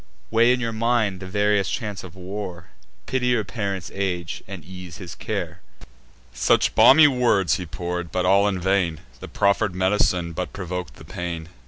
Weigh in your mind the various chance of war; Pity your parent's age, and ease his care." Such balmy words he pour'd, but all in vain: The proffer'd med'cine but provok'd the pain.